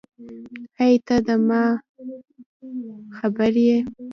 هی ته ده ما خبر یی